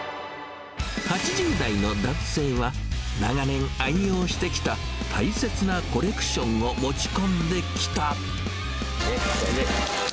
８０代の男性は、長年愛用してきた大切なコレクションを持ち込んできた。